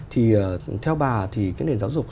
thì theo bà thì cái nền giáo dục